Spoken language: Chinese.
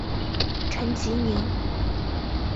陈吉宁。